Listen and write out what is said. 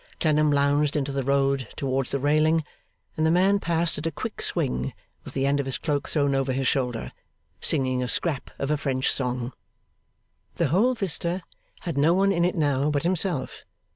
Clennam lounged into the road, towards the railing; and the man passed at a quick swing, with the end of his cloak thrown over his shoulder, singing a scrap of a French song. The whole vista had no one in it now but himself.